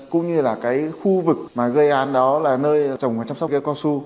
cũng như là cái khu vực mà gây án đó là nơi trồng và chăm sóc cây cao su